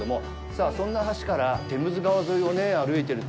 さあ、そんな橋からテムズ川沿いを歩いている。